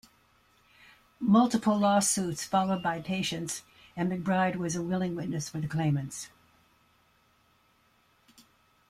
Multiple lawsuits followed by patients and McBride was a willing witness for the claimants.